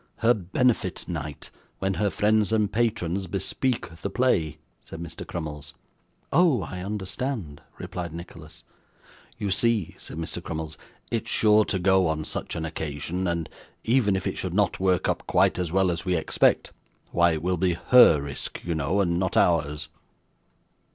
Her benefit night, when her friends and patrons bespeak the play,' said Mr. Crummles. 'Oh! I understand,' replied Nicholas. 'You see,' said Mr. Crummles, 'it's sure to go, on such an occasion, and even if it should not work up quite as well as we expect, why it will be her risk, you know, and not ours.